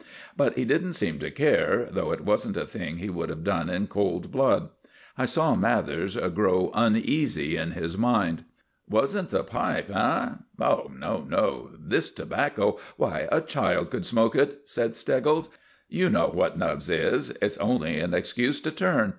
But he didn't seem to care, though it wasn't a thing he would have done in cold blood. I saw Mathers grow uneasy in his mind. "Wasn't the pipe eh?" "No, no. This tobacco why, a child could smoke it," said Steggles. "You know what Nubbs is. It's only an excuse to turn.